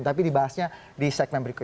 tapi dibahasnya di segmen berikut